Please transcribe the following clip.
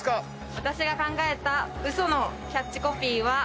私が考えたウソのキャッチコピーは。